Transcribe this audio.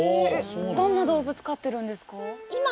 何の動物飼ってるんですか？